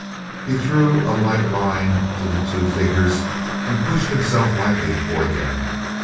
He threw a light line to the two figures and pushed himself lightly toward them.